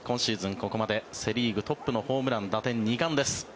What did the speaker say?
ここまでセ・リーグトップのホームラン、打点、２冠です。